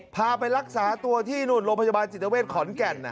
พาไปรักษาตัวที่นู่นโรงพยาบาลจิตเวทขอนแก่น